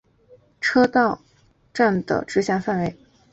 手稻车站的直辖范围。